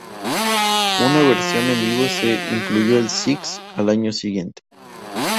Una versión en vivo se incluyó en "Six" al año siguiente.